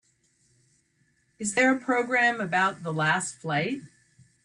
is there a program about The Last Flight?